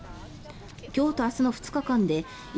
今日と明日の２日間で犬